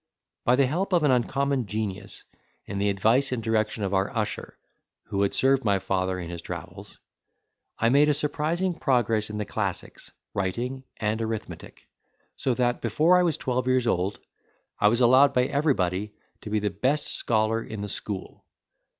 By the help of an uncommon genius, and the advice and direction of our usher, who had served my father in his travels, I made a surprising progress in the classics, writing, and arithmetic; so that, before I was twelve years old, I was allowed by everybody to be the best scholar in the school.